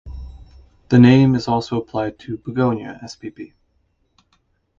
The name is also applied to "Begonia" spp.